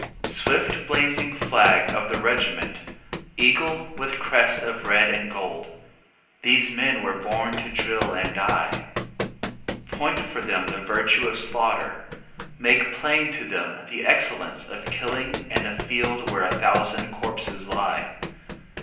Swift blazing flag of the regiment, Eagle with crest of red and gold, These men were born to drill and die. Point for them the virtue of slaughter, Make plain to them the excellence of killing And a field where a thousand corpses lie.